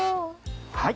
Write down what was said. はい。